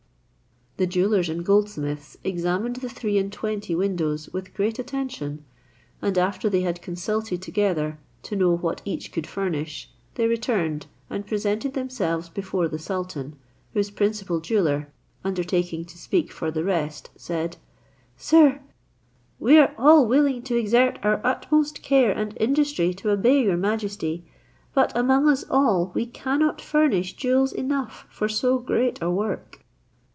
The jewellers and goldsmiths examined the three and twenty windows with great attention, and after they had consulted together, to know what each could furnish, they returned, and presented themselves before the sultan, whose principal jeweller, undertaking to speak for the rest, said, "Sir, we are all willing to exert our utmost care and industry to obey your majesty; but among us all we cannot furnish jewels enough for so great a work."